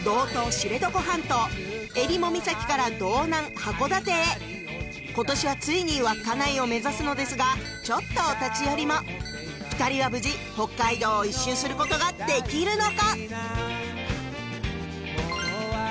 知床半島襟裳岬から道南函館へ今年はついに稚内を目指すのですがちょっとお立ち寄りも二人は無事北海道を１周することができるのか？